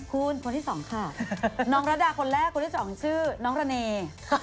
คุณคนที่สองค่ะน้องระดาคนแรกคนที่สองชื่อน้องระเน